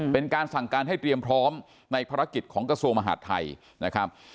เป็นการสั่งการให้เตรียมพร้อมในภารกิจของกระทรวงมหาดไทยนะครับ